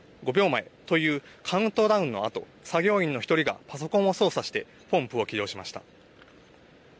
５秒前というカウントダウンのあと作業員の１人がパソコンを操作してポンプを起動しました。